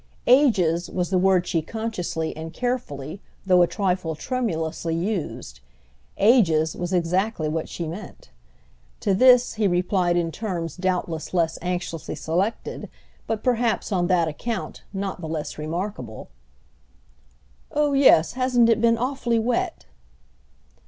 "Ages" was the word she consciously and carefully, though a trifle tremulously used; "ages" was exactly what she meant. To this he replied in terms doubtless less anxiously selected, but perhaps on that account not the less remarkable, "Oh yes, hasn't it been awfully wet?"